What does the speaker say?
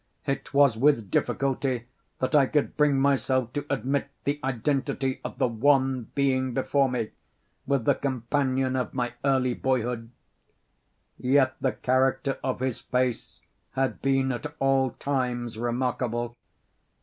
It was with difficulty that I could bring myself to admit the identity of the wan being before me with the companion of my early boyhood. Yet the character of his face had been at all times remarkable.